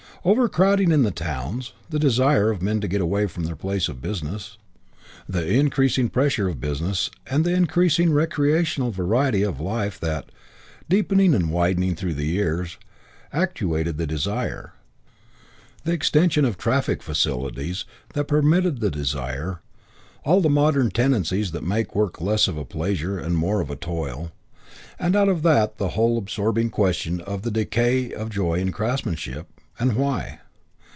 Overcrowding in the towns; the desire of men to get away from their place of business; the increasing pressure of business and the increasing recreational variety of life that, deepening and widening through the years, actuated the desire; the extension of traffic facilities that permitted the desire; all the modern tendencies that made work less of a pleasure and more of a toil, and out of that the whole absorbing question of the decay of joy in craftsmanship, and why.